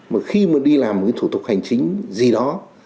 mà khi mà đi làm một cái thủ tục hành chính gì đó